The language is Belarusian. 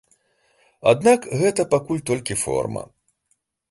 Аднак гэта пакуль толькі форма.